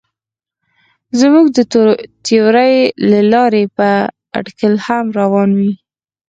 زموږ د تیورۍ له لارې به اټکل هم ګران وي.